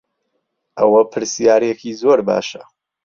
ئەوە پرسیارێکی زۆر باشە.